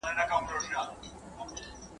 چي پر چا د نعمتونو باران اوري ..